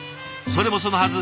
それもそのはず